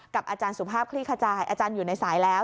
อาจารย์สุภาพคลี่ขจายอาจารย์อยู่ในสายแล้ว